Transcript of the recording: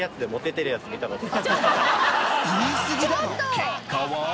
結果は。